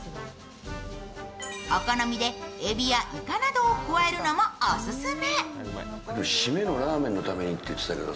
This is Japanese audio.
お好みでえびやいかなどを加えるのもオススメ。